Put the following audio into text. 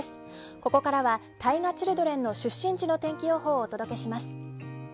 ここからはＴＡＩＧＡチルドレンの出身地の天気予報をお届けします。